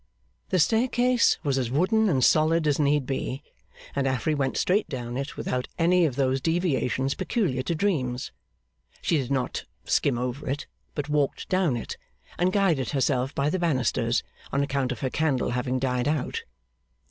The staircase was as wooden and solid as need be, and Affery went straight down it without any of those deviations peculiar to dreams. She did not skim over it, but walked down it, and guided herself by the banisters on account of her candle having died out.